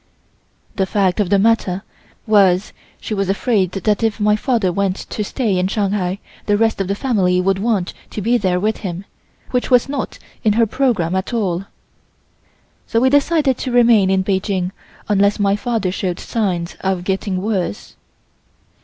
The fact of the matter was she was afraid that if my father went to stay in Shanghai the rest of the family would want to be there with him, which was not in her programme at all. So we decided to remain in Peking unless my father showed signs of getting worse.